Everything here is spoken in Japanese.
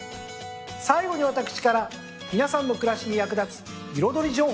最後に私から皆さんの暮らしに役立つ彩り情報です。